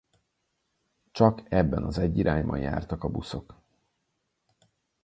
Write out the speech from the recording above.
Csak ebben az egy irányban jártak a buszok.